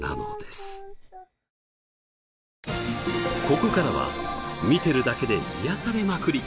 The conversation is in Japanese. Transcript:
ここからは見てるだけで癒やされまくり